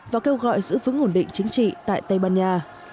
và kêu gọi giữ vững ổn định chính trị tại tây ban nha